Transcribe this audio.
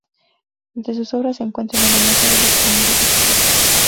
Entre sus obras se encuentran, además, novelas y algunas obras de teatro.